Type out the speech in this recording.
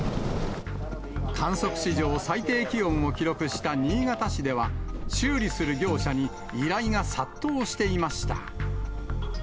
観測史上最低気温を記録した新潟市では、修理する業者に依頼が殺到していました。